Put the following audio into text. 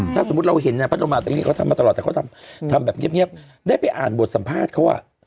ถ้าสมมุติเราเห็นเนี่ยพระโดมาเตอรี่เขาทำมาตลอดแต่เขาทำแบบเงียบได้ไปอ่านบทสัมภาษณ์เขาอ่ะ